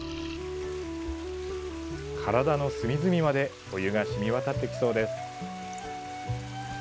体の隅々までお湯が染み渡ってきそうです。